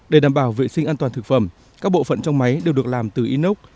để đảm bảo vệ sinh an toàn thực phẩm các bộ phận trong máy đều được làm từ inox